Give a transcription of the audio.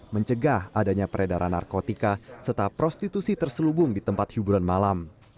mencegah adanya peredaran narkotika serta prostitusi terselubung di tempat hiburan malam